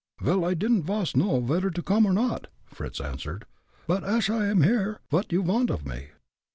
"Vel, I didn't vas know vedder to come or not," Fritz answered, "but ash I am here, vot you want off me?"